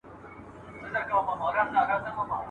چي هر څومره یې خوړلای سوای د ده وه !.